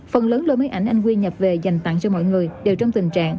phần lớn lối máy ảnh anh huy nhập về dành tặng cho mọi người đều trong tình trạng